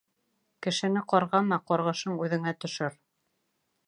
Кешене ҡарғама, ҡарғышың үҙенә төшөр.